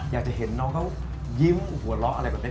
อยากจะเห็นน้องเขายิ้มหัวเราะอะไรแบบนี้